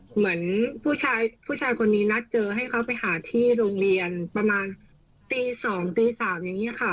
เหมือนผู้ชายผู้ชายคนนี้นัดเจอให้เขาไปหาที่โรงเรียนประมาณตี๒ตี๓อย่างนี้ค่ะ